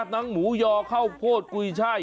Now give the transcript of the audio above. น้ำหมูยอเข้าโขสกุยชาย